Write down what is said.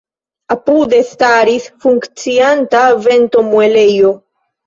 Apude staris funkcianta ventomuelejo.